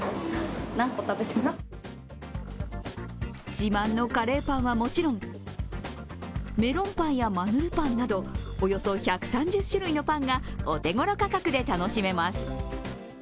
自慢のカレーパンはもちろんメロンパンやマヌルパンなどおよそ１３０種類のパンがお手頃価格で楽しめます。